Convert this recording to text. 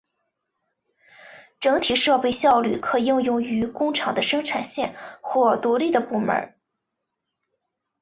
整体设备效率可应用于工厂的生产线或独立的部门。